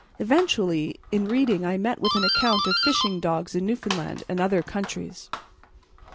Eventually, in reading I met with an account of fishing dogs in Newfoundland and other countries.